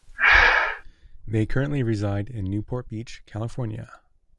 They currently reside in Newport Beach, California.